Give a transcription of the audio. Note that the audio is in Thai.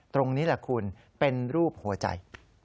ตรงนี้แหละคุณเป็นรูปหัวใจ